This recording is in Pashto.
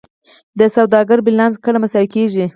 د سوداګرۍ بیلانس کله مساوي کیږي؟